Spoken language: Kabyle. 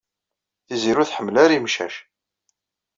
Tiziri ur tḥemmel ara imcac.